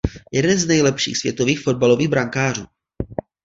Jeden z nejlepších světových fotbalových brankářů.